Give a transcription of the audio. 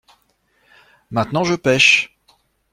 Maintenant je pêche.